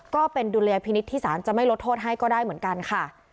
ดุลยพินิษฐ์ที่สารจะไม่ลดโทษให้ก็ได้เหมือนกันค่ะ